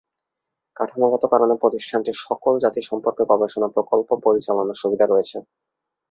কাঠামোগত কারণে প্রতিষ্ঠানটির সকল জাতি সম্পর্কে গবেষণা প্রকল্প পরিচালনার সুবিধা রয়েছে।